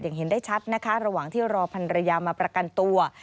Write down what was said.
เห็นได้ชัดนะคะระหว่างที่รอพันรยามาประกันตัว